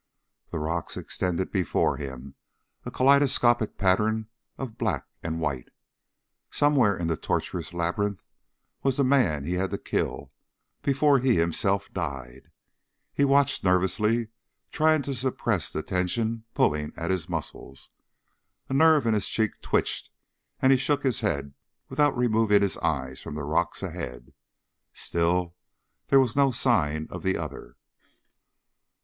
The rocks extended before him, a kaleidoscopic pattern of black and white. Somewhere in the tortuous labyrinth was the man he had to kill before he himself died. He watched nervously, trying to suppress the tension pulling at his muscles. A nerve in his cheek twitched and he shook his head without removing his eyes from the rocks ahead. Still there was no sign of the other.